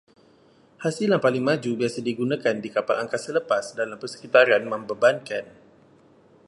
Hasilan paling maju biasa digunakan di kapal angkasa lepas dalam persekitaran membebankan